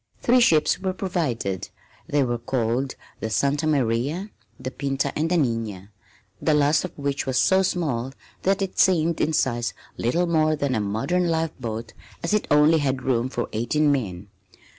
Three ships were provided. They were called the Santa Maria, the Pinta and the Nina, the last of which was so small that it seemed in size little more than a modern life boat as it only had room for eighteen men.